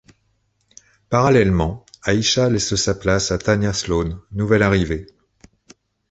Parallèlement, Aisha laisse sa place à Tanya Sloan, nouvelle arrivée.